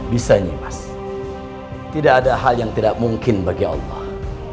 bisa ini mas tidak ada hal yang tidak mungkin bagi allah